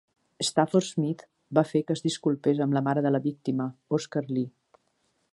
Stafford Smith va fer que es disculpés amb la mare de la seva víctima, Oscar Lee.